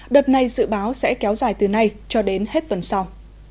đợt này dự báo sẽ kéo dài từ nay cho đến hết tuần sau